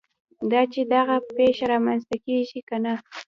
دا چې دغه پېښه رامنځته کېږي که نه.